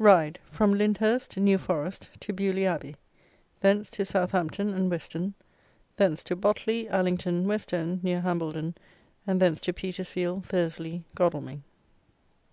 RIDE: FROM LYNDHURST (NEW FOREST) TO BEAULIEU ABBEY; THENCE TO SOUTHAMPTON AND WESTON; THENCE TO BOTLEY, ALLINGTON, WEST END, NEAR HAMBLEDON; AND THENCE TO PETERSFIELD, THURSLEY, GODALMING.